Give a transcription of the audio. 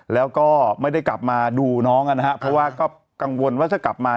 แล้วก็ไม่ได้กลับมาดูน้องนะครับเพราะว่าก็กังวลว่าถ้ากลับมา